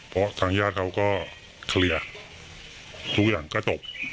เพราะทางญาติเขาก็เคลียร์ทุกอย่างก็จบ